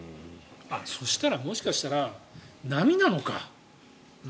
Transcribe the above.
そうしたらもしかしたら波なのか。